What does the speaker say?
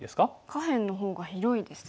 下辺の方が広いですよね。